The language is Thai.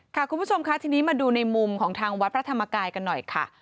คุณผู้ชมค่ะทีนี้มาดูในมุมของทางวัดพระธรรมกายกันหน่อยค่ะ